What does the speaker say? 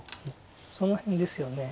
その辺ですよね。